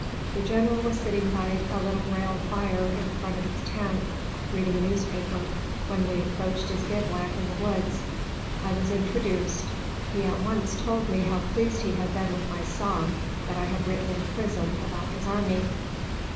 The General was sitting by a little rail fire in front of his tent, reading a newspaper, when we approached his bivouac in the woods. I was introduced. He at once told me how pleased he had been with my song, that I had written in prison about his army.